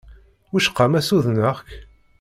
Wicqa ma ssudneɣ-k?